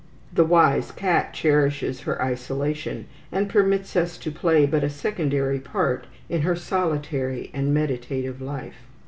The wise cat cherishes her isolation, and permits us to play but a secondary part in her solitary and meditative life.